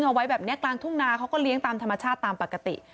เอาไว้แบบนี้กลางทุ่งนาเขาก็เลี้ยงตามธรรมชาติตามปกติ